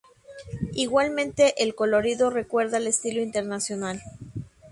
Igualmente el colorido recuerda al estilo internacional.